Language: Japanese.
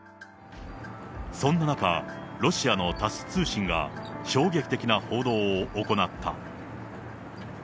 そんな中、ロシアのタス通信が、衝撃的な報道を行った。